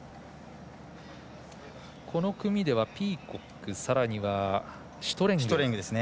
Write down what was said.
この組ではピーコックシュトレング。